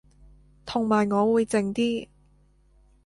同埋我會靜啲